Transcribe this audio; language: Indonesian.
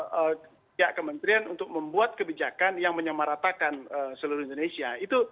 pihak kementerian untuk membuat kebijakan yang menyamaratakan seluruh indonesia